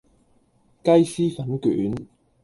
雞絲粉卷